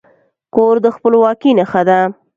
کور د خپلواکي نښه ده.